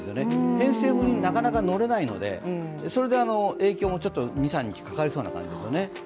偏西風になかなか乗れないのでそれで影響も２３日かかりそうな感じですよね。